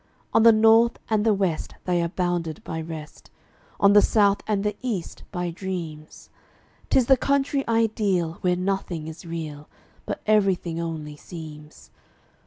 On the North and the West they are bounded by rest, On the South and the East, by dreams; 'Tis the country ideal, where nothing is real, But everything only seems.